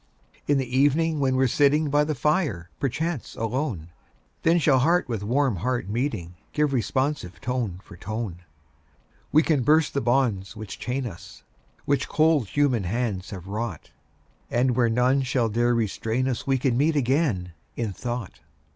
In the evening, when we're sitting By the fire, perchance alone, Then shall heart with warm heart meeting, Give responsive tone for tone. We can burst the bonds which chain us, Which cold human hands have wrought, And where none shall dare restrain us We can meet again, in thought.